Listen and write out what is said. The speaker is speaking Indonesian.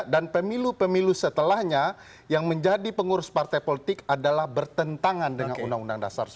dan pemilu pemilu setelahnya yang menjadi pengurus partai politik adalah bertentangan dengan undang undang dasar